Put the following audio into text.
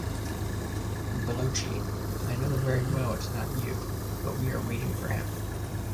Baloche, — I know very well it’s not you! But we are waiting for him.